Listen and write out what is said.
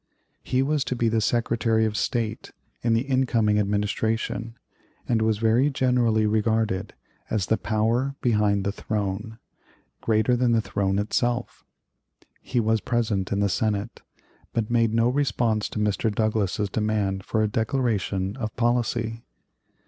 He was to be the Secretary of State in the incoming Administration, and was very generally regarded as the "power behind the throne," greater than the throne itself. He was present in the Senate, but made no response to Mr. Douglas's demand for a declaration of policy.